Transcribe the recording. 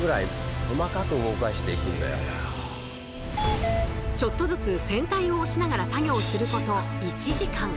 ちょっとずつ船体を押しながら作業すること１時間。